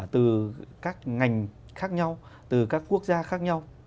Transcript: từ các ngành khác nhau từ các quốc gia khác nhau